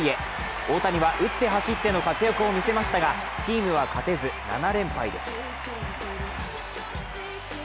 大谷は打って走っての活躍を見せましたが、チームは勝てず７連敗です。